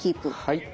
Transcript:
はい。